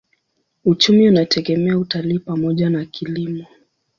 Uchumi unategemea utalii pamoja na kilimo.